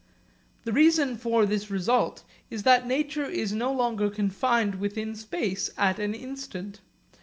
The reason for this result is that nature is no longer confined within space at an instant.